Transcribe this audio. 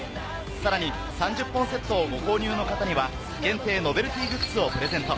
さらに３０本セットをご購入の方には限定ノベルティグッズをプレゼント。